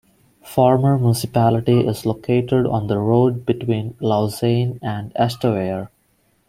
The former municipality is located on the road between Lausanne and Estavayer.